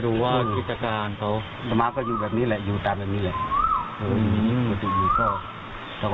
รู้สึกแปลกใจนะที่อยู่ดีสำรวจมาเมื่อเช้า